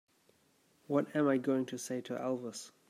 What am I going to say to Elvis?